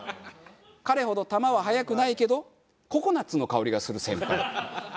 彼ほど球は速くないけどココナツの香りがする先輩。